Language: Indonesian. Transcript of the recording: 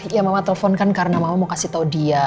ya mama telepon kan karena mama mau kasih tau dia